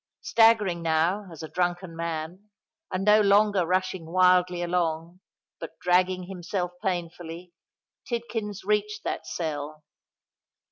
Staggering now, as a drunken man—and no longer rushing wildly along,—but dragging himself painfully,—Tidkins reached that cell.